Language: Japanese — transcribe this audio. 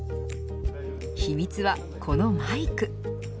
秘密は、このマイク。